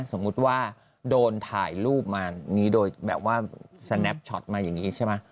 สมมุติว่าโดนถ่ายรูปมามีโดยแบบว่าสแนปช็อตมาอย่างนี้ใช่ไหม